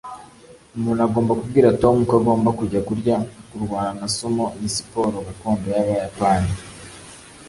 Umuntu agomba kubwira Tom ko agomba kujya kurya. Kurwana na Sumo ni siporo gakondo y'Abayapani.